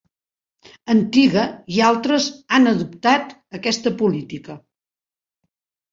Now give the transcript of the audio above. Antiga i altres han adoptat aquesta política.